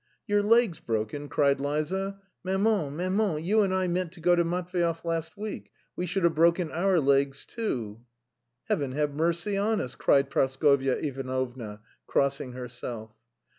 "Your legs broken!" cried Liza. "Maman, maman, you and I meant to go to Matveyev last week, we should have broken our legs too!" "Heaven have mercy on us!" cried Praskovya Ivanovna, crossing herself.